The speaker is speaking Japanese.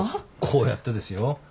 こうやってですよ。